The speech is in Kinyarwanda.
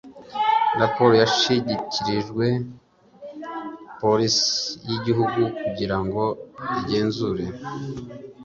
raporo yashyikirijwe polisi y’ igihugu kugira ngo igenzure.